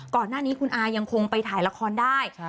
ก่อนหน้านี้คุณอายังคงไปถ่ายละครได้